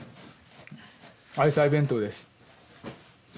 愛妻弁当です